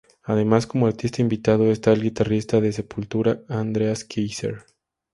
Además como artista invitado está el guitarrista de Sepultura, Andreas Kisser.